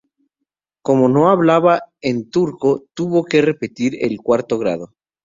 Como no hablaba en turco, tuvo que repetir el cuarto grado.